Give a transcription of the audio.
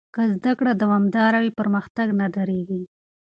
که زده کړه دوامداره وي، پرمختګ نه درېږي.